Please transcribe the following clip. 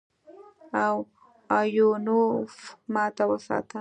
او ايوانوف ماته وساته.